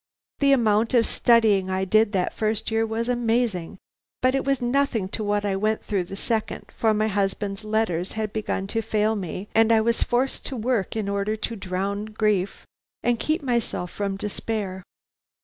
The amount of studying I did that first year was amazing, but it was nothing to what I went through the second, for my husband's letters had begun to fail me, and I was forced to work in order to drown grief and keep myself from despair.